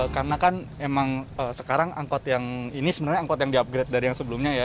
karena kan emang sekarang angkot yang ini sebenarnya angkot yang di upgrade dari yang sebelumnya ya